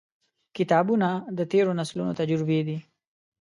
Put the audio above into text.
• کتابونه، د تیرو نسلونو تجربې دي.